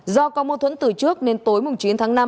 do có mâu thuẫn từ trước nên tối chín tháng năm